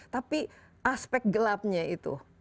tapi aspek gelapnya itu